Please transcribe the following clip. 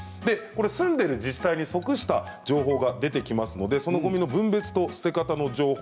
住んでいる自治体に即した情報が出てきますので、そのごみの分別と捨て方の情報